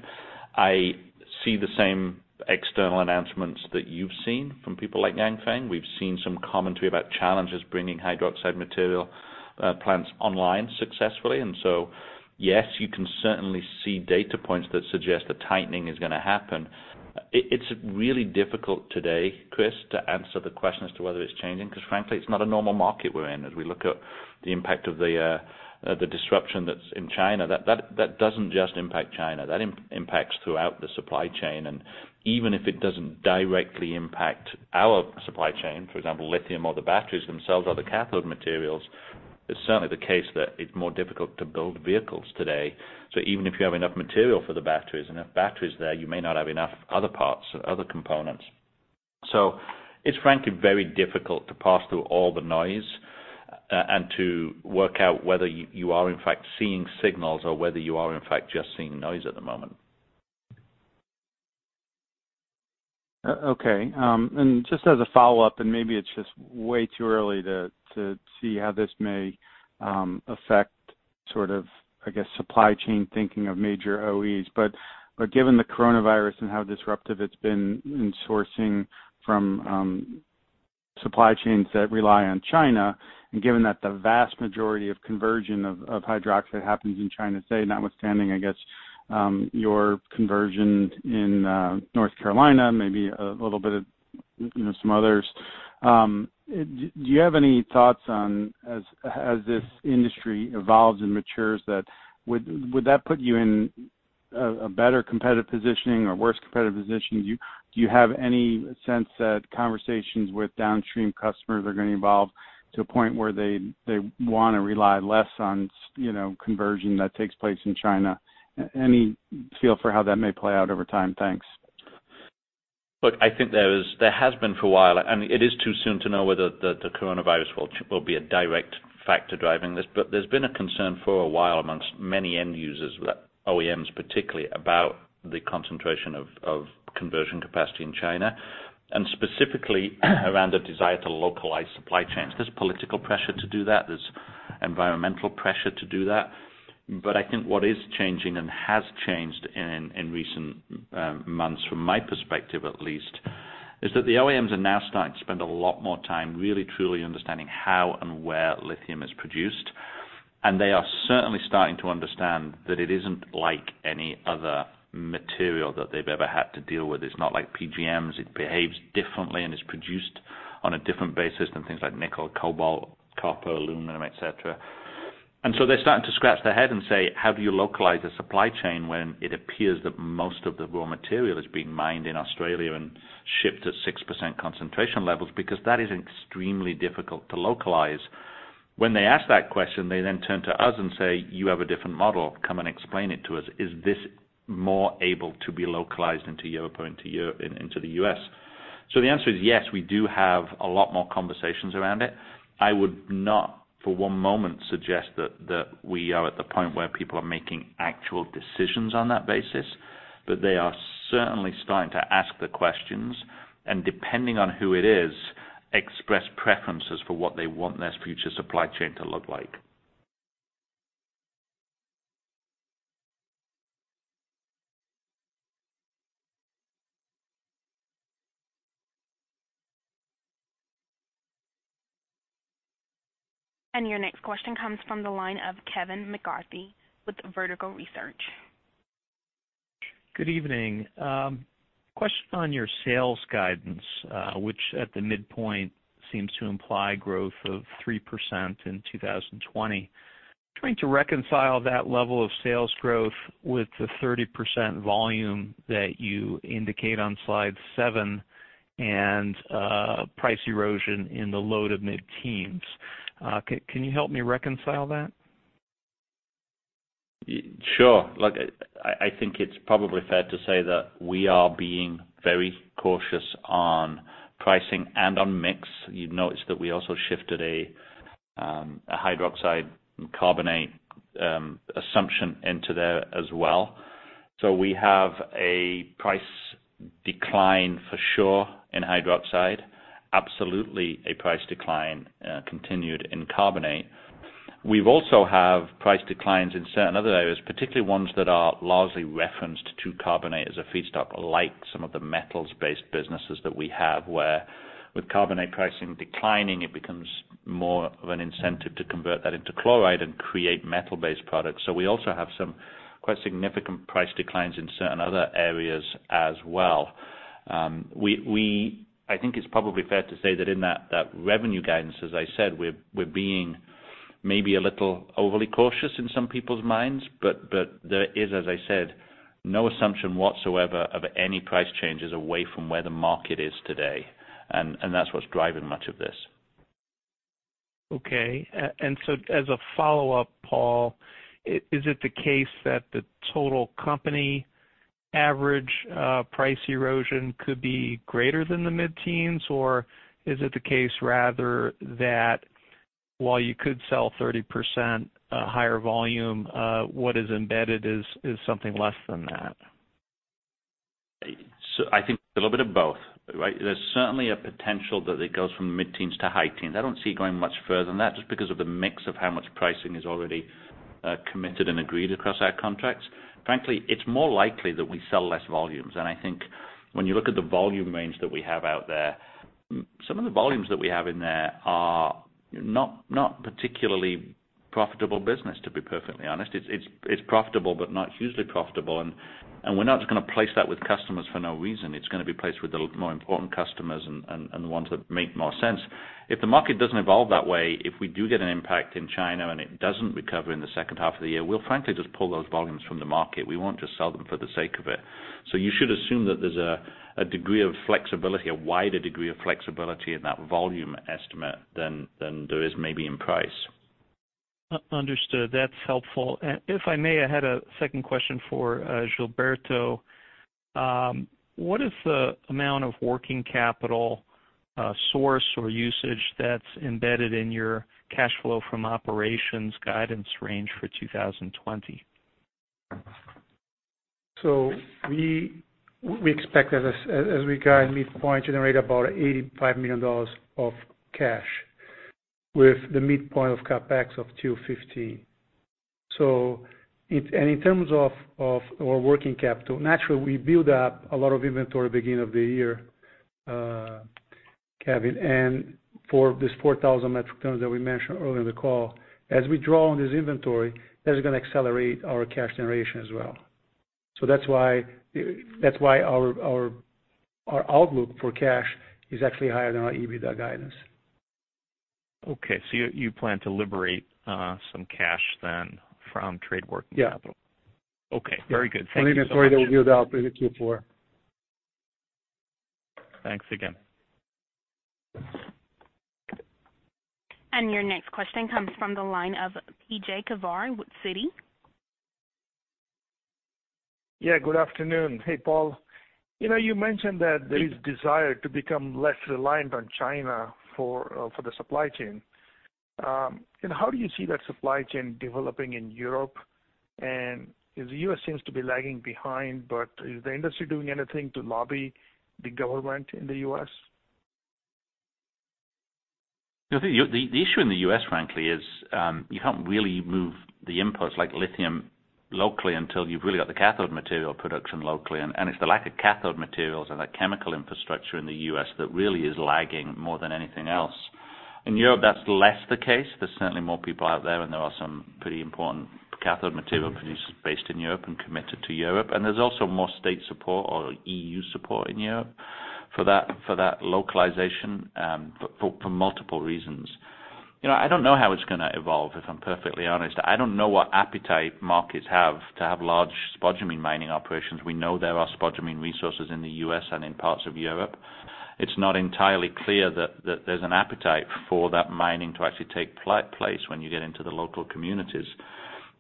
I see the same external announcements that you've seen from people like Ganfeng. With seen some commentary with about challenges bringing hydroxide material plants online successfully. So yes, you can certainly see data points that suggest a tightening is going to happen. Frankly, it's really difficult today, Chris, to answer the question as to whether it's changing, because it's not a normal market we're in, as we look at the impact of the disruption that's in China. That doesn't just impact China. That impacts throughout the supply chain. Even if it doesn't directly impact our supply chain, for example, lithium or the batteries themselves or the cathode materials, it's certainly the case that it's more difficult to build vehicles today. Even if you have enough material for the batteries, enough batteries there, you may not have enough other parts or other components. It's frankly very difficult to parse through all the noise and to work out whether you are in fact seeing signals or whether you are in fact just seeing noise at the moment. Okay. Just as a follow-up, and maybe it's just way too early to see how this may affect, sort of, I guess, supply chain thinking of major OEMs. Given the coronavirus and how disruptive it's been in sourcing from supply chains that rely on China, and given that the vast majority of conversion of hydroxide happens in China, say, notwithstanding, I guess, your conversion in North Carolina, maybe a little bit of some others. Do you have any thoughts on, as this industry evolves and matures, would that put you in a better competitive positioning or worse competitive positioning? Do you have any sense that conversations with downstream customers are going to evolve to a point where they want to rely less on conversion that takes place in China? Any feel for how that may play out over time? Thanks. Look, I think there has been for a while, it is too soon to know whether the coronavirus will be a direct factor driving this. There's been a concern for a while amongst many end users, OEMs particularly, about the concentration of conversion capacity in China, specifically around the desire to localize supply chains. There's political pressure to do that, there's environmental pressure to do that. I think what is changing and has changed in recent months, from my perspective at least, is that the OEMs are now starting to spend a lot more time really truly understanding how and where lithium is produced. They are certainly starting to understand that it isn't like any other material that they've ever had to deal with. It's not like PGMs. It behaves differently, and it's produced on a different basis than things like nickel, cobalt, copper, aluminum, et cetera. They're starting to scratch their head and say, "How do you localize a supply chain when it appears that most of the raw material is being mined in Australia and shipped at 6% concentration levels?" Because that is extremely difficult to localize. When they ask that question, they then turn to us and say, "You have a different model. Come and explain it to us. Is this more able to be localized into Europe or into the U.S.?" The answer is yes, we do have a lot more conversations around it. I would not, for one moment, suggest that we are at the point where people are making actual decisions on that basis. They are certainly starting to ask the questions, and depending on who it is, express preferences for what they want their future supply chain to look like. Your next question comes from the line of Kevin McCarthy with Vertical Research. Good evening. Question on your sales guidance, which at the midpoint seems to imply growth of 3% in 2020. Trying to reconcile that level of sales growth with the 30% volume that you indicate on slide seven and price erosion in the low to mid-teens. Can you help me reconcile that? Sure. Look, I think it's probably fair to say that we are being very cautious on pricing and on mix. You've noticed that we also shifted a lithium hydroxide and lithium carbonate assumption into there as well. We have a price decline for sure in lithium hydroxide, absolutely a price decline continued in lithium carbonate. We've also have price declines in certain other areas, particularly ones that are largely referenced to lithium carbonate as a feedstock, like some of the metals-based businesses that we have where, with lithium carbonate pricing declining, it becomes more of an incentive to convert that into lithium chloride and create metal-based products. We also have some quite significant price declines in certain other areas as well. I think it's probably fair to say that in that revenue guidance, as I said, we're being maybe a little overly cautious in some people's minds, but there is, as I said, no assumption whatsoever of any price changes away from where the market is today. That's what's driving much of this. Okay. As a follow-up, Paul, is it the case that the total company average price erosion could be greater than the mid-teens? Or is it the case rather that while you could sell 30% higher volume, what is embedded is something less than that? I think a little bit of both, right? There is certainly a potential that it goes from mid-teens to high teens. I don't see it going much further than that, just because of the mix of how much pricing is already committed and agreed across our contracts. Frankly, it is more likely that we sell less volumes. I think when you look at the volume range that we have out there, some of the volumes that we have in there are not particularly profitable business, to be perfectly honest. It is profitable, but not hugely profitable. We are not just going to place that with customers for no reason. It is going to be placed with the more important customers and the ones that make more sense. If the market doesn't evolve that way if we do get an impact in China and it doesn't recover in the second half of the year, we'll frankly just pull those volumes from the market. We won't just sell them for the sake of it. You should assume that there's a degree of flexibility, a wider degree of flexibility in that volume estimate than there is maybe in price. Understood. That's helpful. If I may, I had a second question for Gilberto. What is the amount of working capital source or usage that's embedded in your cash flow from operations guidance range for 2020? We expect as we guide midpoint generate about $85 million of cash with the midpoint of CapEx of $215 million. In terms of our working capital, naturally, we build up a lot of inventory beginning of the year, Kevin, and for this 4,000 metric tons that we mentioned earlier in the call, as we draw on this inventory, that is going to accelerate our cash generation as well. That's why our outlook for cash is actually higher than our EBITDA guidance. Okay. You plan to liberate some cash then from trade working capital? Yeah. Okay. Very good. Thank you so much. From the inventory that we built up in the Q4. Thanks again. Your next question comes from the line of P.J. Juvekar, Citi. Yeah, good afternoon. Hey, Paul. You mentioned that there is desire to become less reliant on China for the supply chain. How do you see that supply chain developing in Europe? The U.S. seems to be lagging behind, but is the industry doing anything to lobby the government in the U.S.? The issue in the U.S., frankly, is you can't really move the inputs like lithium locally until you've really got the cathode material production locally. It's the lack of cathode materials and that chemical infrastructure in the U.S. that really is lagging more than anything else. In Europe, that's less the case. There's certainly more people out there, and there are some pretty important cathode material producers based in Europe and committed to Europe. There's also more state support or EU support in Europe for that localization, for multiple reasons. I don't know how it's going to evolve, if I'm perfectly honest. I don't know what appetite markets have to have large spodumene mining operations. We know there are spodumene resources in the U.S. and in parts of Europe. It's not entirely clear that there's an appetite for that mining to actually take place when you get into the local communities.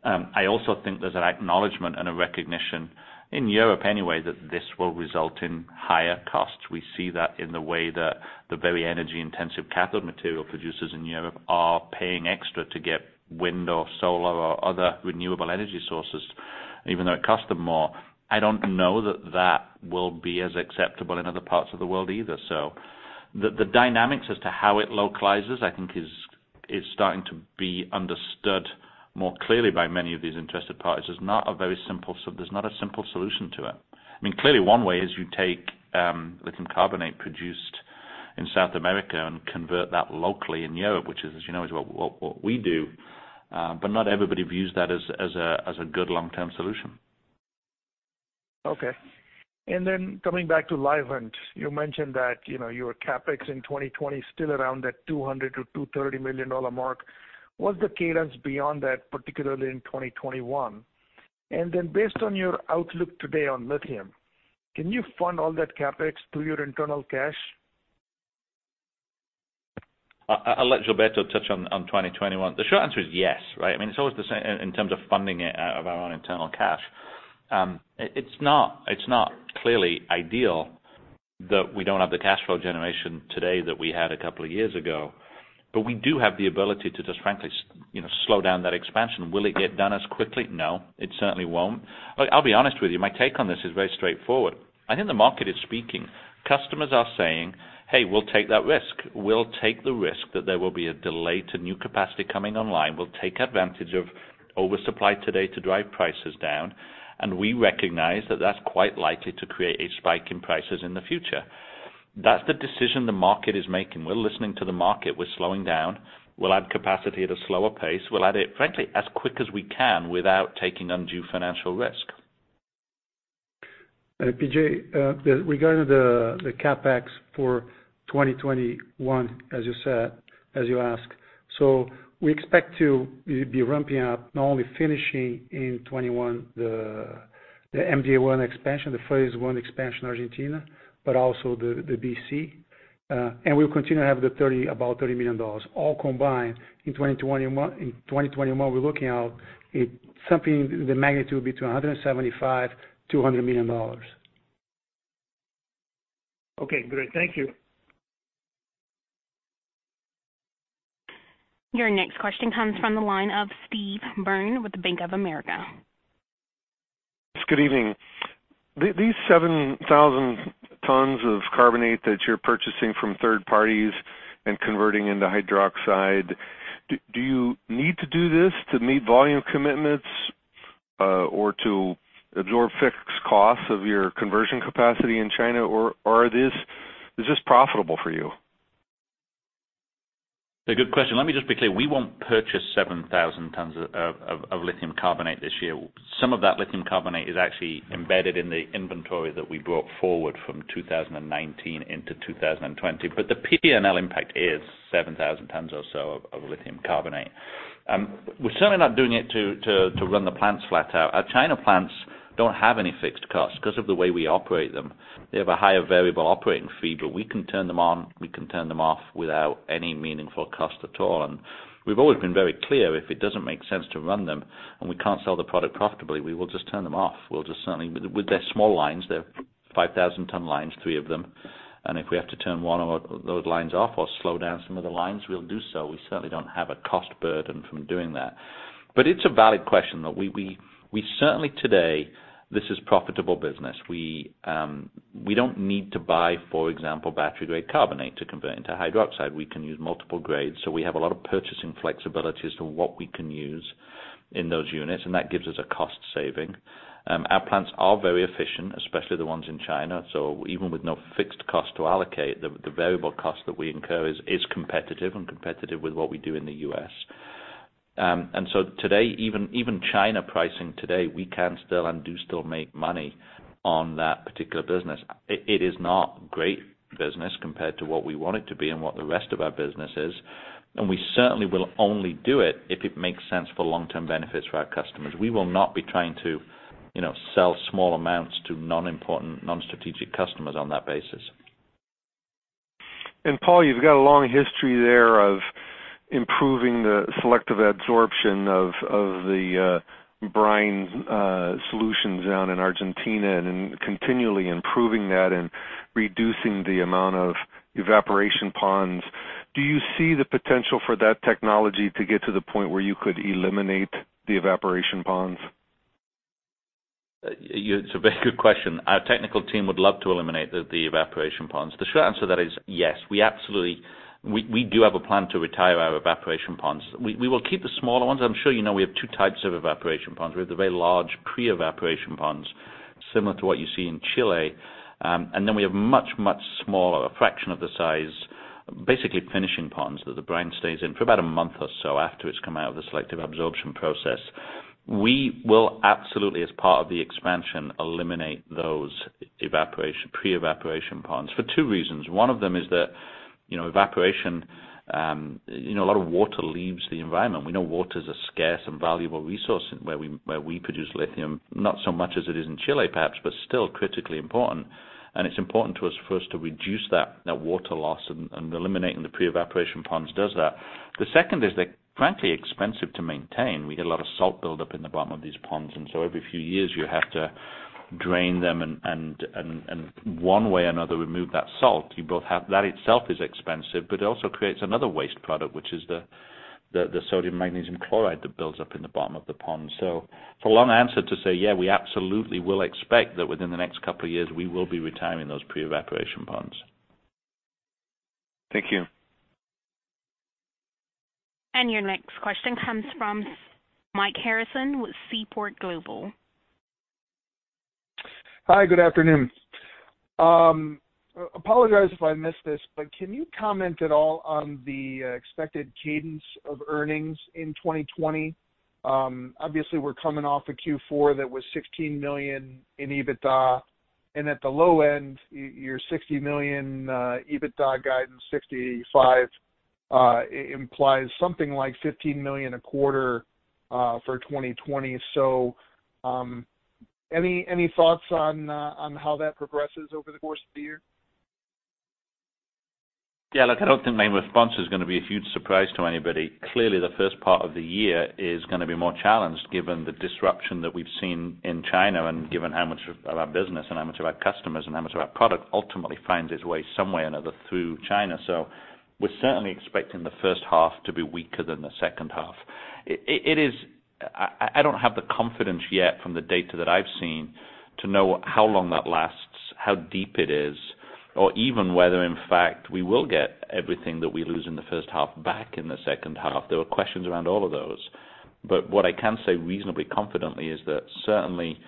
I also think there's an acknowledgment and a recognition in Europe anyway, that this will result in higher costs. We see that in the way that the very energy-intensive cathode material producers in Europe are paying extra to get wind or solar or other renewable energy sources, even though it costs them more. I don't know that that will be as acceptable in other parts of the world either. The dynamics as to how it localizes, I think, is starting to be understood more clearly by many of these interested parties. There's not a simple solution to it. One way is you take lithium carbonate produced in South America and convert that locally in Europe, which is, as you know, is what we do. Not everybody views that as a good long-term solution. Okay. Coming back to Livent, you mentioned that your CapEx in 2020 is still around that $200 million-$230 million mark. What's the cadence beyond that, particularly in 2021? Based on your outlook today on lithium, can you fund all that CapEx through your internal cash? I'll let Gilberto touch on 2021. The short answer is yes, right? It's always the same in terms of funding it out of our own internal cash. It's not clearly ideal that we don't have the cash flow generation today that we had a couple of years ago, but we do have the ability to just frankly slow down that expansion. Will it get done as quickly? No, it certainly won't. I'll be honest with you, my take on this is very straightforward. I think the market is speaking. Customers are saying, "Hey, we'll take that risk. We'll take the risk that there will be a delay to new capacity coming online. We'll take advantage of oversupply today to drive prices down, and we recognize that that's quite likely to create a spike in prices in the future." That's the decision the market is making. We're listening to the market. We're slowing down. We'll add capacity at a slower pace. We'll add it, frankly, as quick as we can without taking undue financial risk. P.J., regarding the CapEx for 2021, as you ask. We expect to be ramping up, not only finishing in 2021 the MV1 expansion, the phase I expansion Argentina, but also the BC. We'll continue to have about $30 million all combined in 2021. We're looking out something the magnitude between $175 million-$200 million. Okay, great. Thank you. Your next question comes from the line of Steve Byrne with the Bank of America. Good evening. These 7,000 tons of carbonate that you're purchasing from third parties and converting into hydroxide, do you need to do this to meet volume commitments or to absorb fixed costs of your conversion capacity in China, or is this profitable for you? A good question. Let me just be clear. We won't purchase 7,000 tons of lithium carbonate this year. Some of that lithium carbonate is actually embedded in the inventory that we brought forward from 2019 into 2020. The P&L impact is 7,000 tons or so of lithium carbonate. We're certainly not doing it to run the plants flat out. Our China plants don't have any fixed costs because of the way we operate them. They have a higher variable operating fee, but we can turn them on, we can turn them off without any meaningful cost at all. We've always been very clear, if it doesn't make sense to run them and we can't sell the product profitably, we will just turn them off. They're small lines. They're 5,000-ton lines, three of them. If we have to turn one of those lines off or slow down some of the lines, we'll do so. We certainly don't have a cost burden from doing that. It's a valid question, though. We certainly today, this is profitable business. We don't need to buy, for example, battery-grade carbonate to convert into hydroxide. We can use multiple grades. We have a lot of purchasing flexibility as to what we can use in those units, and that gives us a cost saving. Our plants are very efficient, especially the ones in China. Even with no fixed cost to allocate, the variable cost that we incur is competitive and competitive with what we do in the U.S. Today, even China pricing today, we can still and do still make money on that particular business. It is not great business compared to what we want it to be and what the rest of our business is. We certainly will only do it if it makes sense for long-term benefits for our customers. We will not be trying to sell small amounts to non-important, non-strategic customers on that basis. Paul, you've got a long history there of improving the selective absorption of the brine solutions down in Argentina and continually improving that and reducing the amount of evaporation ponds. Do you see the potential for that technology to get to the point where you could eliminate the evaporation ponds? It's a very good question. Our technical team would love to eliminate the evaporation ponds. The short answer to that is yes. We do have a plan to retire our evaporation ponds. We will keep the smaller ones. I'm sure you know we have two types of evaporation ponds. We have the very large pre-evaporation ponds, similar to what you see in Chile. Then we have much, much smaller, a fraction of the size, basically finishing ponds that the brine stays in for about a month or so after it's come out of the selective absorption process. We will absolutely, as part of the expansion, eliminate those pre-evaporation ponds for two reasons. One of them is that evaporation, a lot of water leaves the environment. We know water is a scarce and valuable resource where we produce lithium, not so much as it is in Chile, perhaps, but still critically important. It's important to us first to reduce that water loss and eliminating the pre-evaporation ponds does that. The second is they're frankly expensive to maintain. We get a lot of salt buildup in the bottom of these ponds, every few years you have to drain them and one way or another, remove that salt. That itself is expensive, it also creates another waste product, which is the sodium magnesium chloride that builds up in the bottom of the pond. For a long answer to say, yeah, we absolutely will expect that within the next couple of years, we will be retiring those pre-evaporation ponds. Thank you. Your next question comes from Mike Harrison with Seaport Global. Hi, good afternoon. Apologize if I missed this. Can you comment at all on the expected cadence of earnings in 2020? Obviously, we're coming off a Q4 that was $16 million in EBITDA, and at the low end, your $60 million EBITDA guidance, $65, implies something like $15 million a quarter for 2020. Any thoughts on how that progresses over the course of the year? Look, I don't think my response is going to be a huge surprise to anybody. Clearly, the first part of the year is going to be more challenged given the disruption that we've seen in China and given how much of our business and how much of our customers and how much of our product ultimately finds its way some way or another through China. We're certainly expecting the first half to be weaker than the second half. I don't have the confidence yet from the data that I've seen to know how long that lasts, how deep it is, or even whether, in fact, we will get everything that we lose in the first half back in the second half. There are questions around all of those. What I can say reasonably confidently is that certainly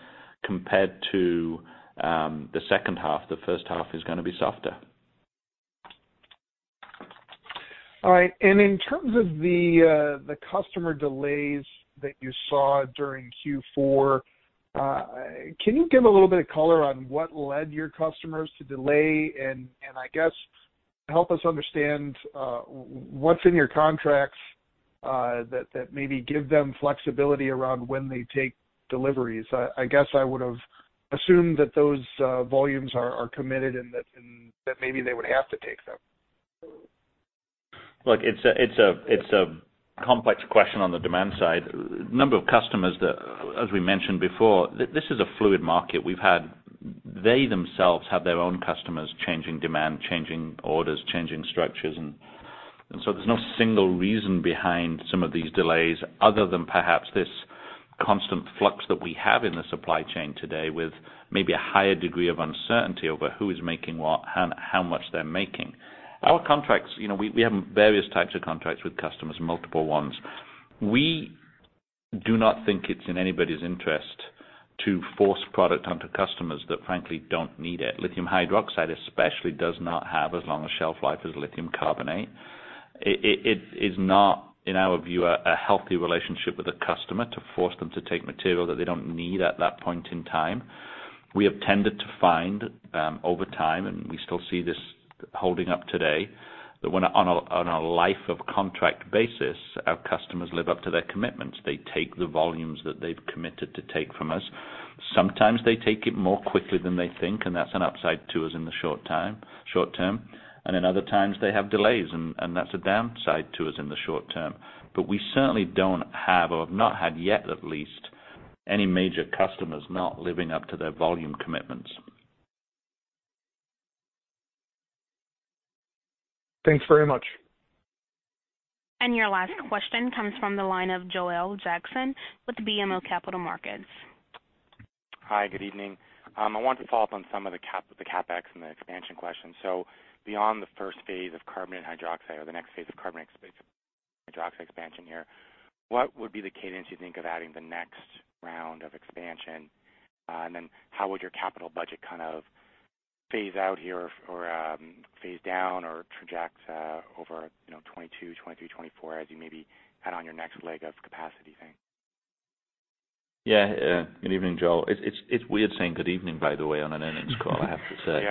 compared to the second half, the first half is going to be softer. All right. In terms of the customer delays that you saw during Q4, can you give a little bit of color on what led your customers to delay? I guess help us understand what's in your contracts that maybe give them flexibility around when they take deliveries. I guess I would have assumed that those volumes are committed and that maybe they would have to take them. Look, it is a complex question on the demand side. Number of customers that, as we mentioned before, this is a fluid market. They themselves have their own customers changing demand, changing orders, changing structures, and so there is no single reason behind some of these delays other than perhaps this constant flux that we have in the supply chain today with maybe a higher degree of uncertainty over who is making what and how much they are making. Our contracts, we have various types of contracts with customers, multiple ones. We do not think it is in anybody's interest to force product onto customers that frankly do not need it. Lithium hydroxide especially does not have as long a shelf life as lithium carbonate. It is not, in our view, a healthy relationship with a customer to force them to take material that they do not need at that point in time. We have tended to find, over time, and we still see this holding up today, that on a life of contract basis, our customers live up to their commitments. They take the volumes that they've committed to take from us. Sometimes they take it more quickly than they think, and that's an upside to us in the short-term. Other times they have delays, and that's a downside to us in the short-term. We certainly don't have or have not had yet, at least any major customers not living up to their volume commitments. Thanks very much. Your last question comes from the line of Joel Jackson with BMO Capital Markets. Hi, good evening. I want to follow up on some of the CapEx and the expansion questions. Beyond the first phase of carbonate and hydroxide or the next phase of carbonate hydroxide expansion here, what would be the cadence you think of adding the next round of expansion? How would your capital budget kind of phase out here or phase down or traject over 2022, 2023, 2024 as you maybe add on your next leg of capacity thing? Yeah. Good evening, Joel. It's weird saying good evening, by the way, on an earnings call, I have to say.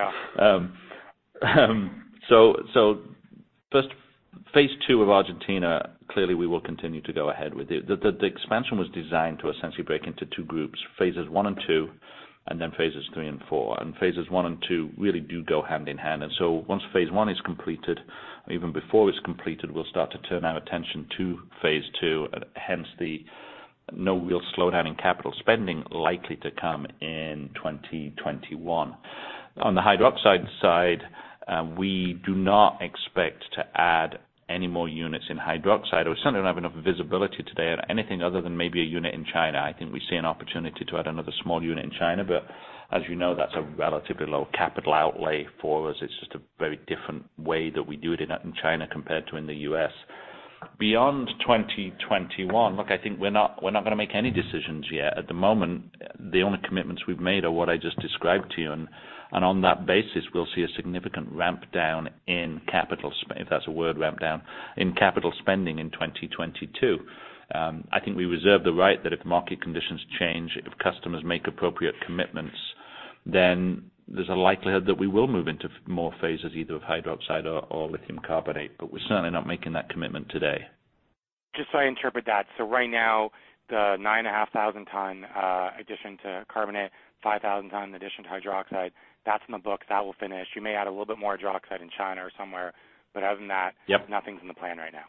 Yeah. First, phase II of Argentina, clearly we will continue to go ahead with it. The expansion was designed to essentially break into two groups, phases I and II, and then phases III and VI. Phases I and II really do go hand in hand. Once phase I is completed, even before it's completed, we'll start to turn our attention to phase II. Hence the no real slowdown in capital spending likely to come in 2021. On the hydroxide side, we do not expect to add any more units in hydroxide. We certainly don't have enough visibility today on anything other than maybe a unit in China. I think we see an opportunity to add another small unit in China, but as you know, that's a relatively low capital outlay for us. It's just a very different way that we do it in China compared to in the U.S. Beyond 2021, look, I think we're not going to make any decisions yet. At the moment, the only commitments we've made are what I just described to you. On that basis, we'll see a significant ramp down in capital spend, if that's a word, ramp down, in capital spending in 2022. I think we reserve the right that if market conditions change, if customers make appropriate commitments, there's a likelihood that we will move into more phases, either of hydroxide or lithium carbonate. We're certainly not making that commitment today. Just so I interpret that, right now, the 9,500 ton addition to carbonate, 5,000 ton addition to hydroxide, that's in the books, that will finish. You may add a little bit more hydroxide in China or somewhere, other than that. Yep. Nothing's in the plan right now.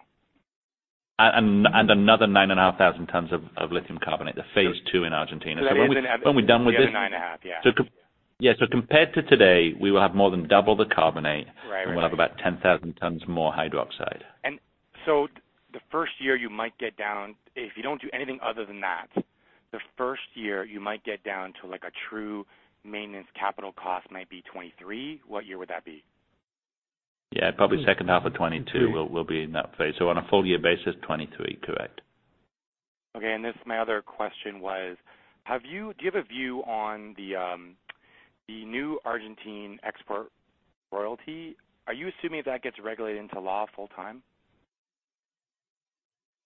Another 9,500 tons of lithium carbonate, the phase II in Argentina. When we're done with this one. The other nine and a half, yeah. Yeah. Compared to today, we will have more than double the carbonate. Right. We'll have about 10,000 tons more hydroxide. The first year you might get down, if you don't do anything other than that, the first year you might get down to like a true maintenance capital cost might be 2023. What year would that be? Yeah, probably second half of 2022 we'll be in that phase. On a full year basis, 2023, correct. Okay, and this, my other question was, do you have a view on the new Argentine export royalty? Are you assuming that gets regulated into law full-time?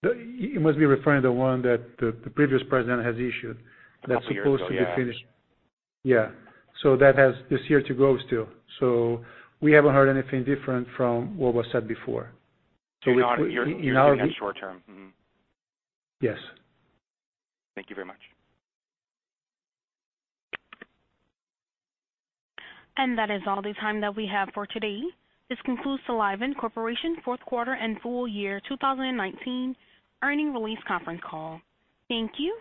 You must be referring to one that the previous president has issued that's supposed to be finished. A couple years ago, yeah. Yeah. That has this year to go still. We haven't heard anything different from what was said before. You're thinking that short term. Mm-hmm. Yes. Thank you very much. That is all the time that we have for today. This concludes the Livent Corporation fourth quarter and full year 2019 earnings release conference call. Thank you.